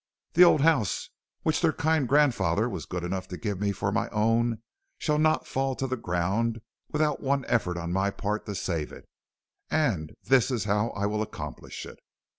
The old house which their kind grandfather was good enough to give me for my own, shall not fall to the ground without one effort on my part to save it. And this is how I will accomplish it.